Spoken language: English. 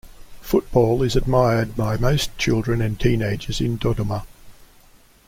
Football is admired by most children and teenagers in Dodoma.